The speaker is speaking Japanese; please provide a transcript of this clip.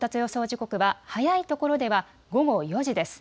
時刻は早いところでは午後４時です。